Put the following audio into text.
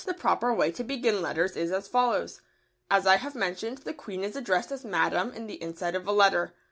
The proper way to begin letters is as follows. As I have mentioned, the Queen is addressed as "Madam" in the inside of a letter.